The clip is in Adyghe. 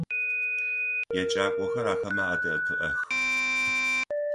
Еджакӏохэр ахэмэ адэӏэпыӏэх.